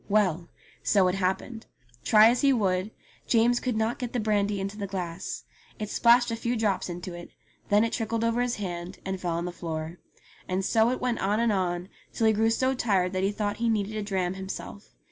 Well ! so it happened. Try as he would, James could not get the brandy into the glass. It splashed a few drops into it, then it trickled over his hand, and fell on the floor. And so it went on and on till he grew so tired that he thought he needed a dram himself.